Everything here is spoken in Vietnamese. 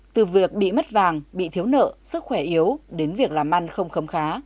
từ việc bị mất vàng bị thiếu nợ sức khỏe yếu đến việc làm ăn không khấm khá